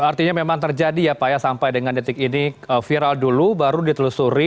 artinya memang terjadi ya pak ya sampai dengan detik ini viral dulu baru ditelusuri